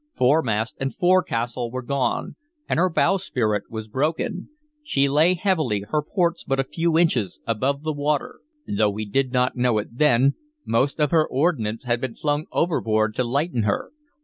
Foremast and forecastle were gone, and her bowsprit was broken. She lay heavily, her ports but a few inches above the water. Though we did not know it then, most of her ordnance had been flung overboard to lighten her.